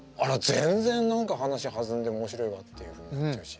全然何か話弾んで面白いわっていうふうになっちゃうし。